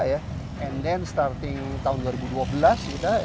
and then starting tahun dua ribu dua belas